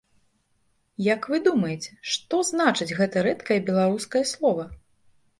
Як вы думаеце, што значыць гэтае рэдкае беларускае слова?